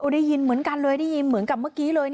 ได้ยินเหมือนกันเลยได้ยินเหมือนกับเมื่อกี้เลย